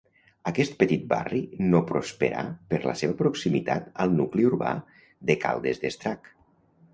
Aquest petit barri no prosperà per la seva proximitat al nucli urbà de Caldes d'Estrac.